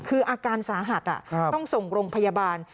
คืออาการสาหัสต้องส่งโรงพยาบาล